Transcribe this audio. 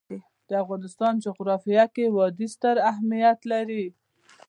د افغانستان جغرافیه کې وادي ستر اهمیت لري.